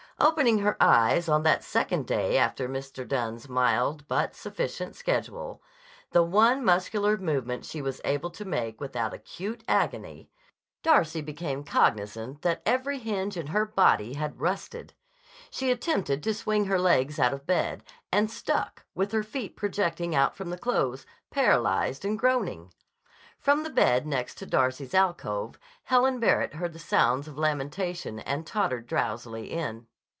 Opening her eyes on that second day after Mr. Dunne's mild but sufficient schedule—the one muscular movement she was able to make without acute agony—Darcy became cognizant that every hinge in her body had rusted. She attempted to swing her legs out of bed, and stuck, with her feet projecting out from the clothes, paralyzed and groaning. From the bedroom next to Darcy's alcove, Helen Barrett heard the sounds of lamentation and tottered drowsily in.